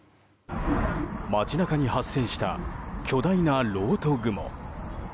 街中に発生した巨大なろうと雲。